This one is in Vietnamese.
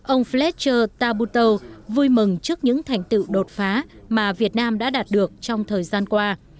ông fletcher tabuto vui mừng trước những thành tựu đột phá mà việt nam đã đạt được trong thời gian qua